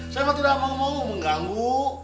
saya tidak mau mengganggu